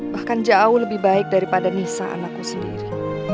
bahkan jauh lebih baik daripada nisa anakku sendiri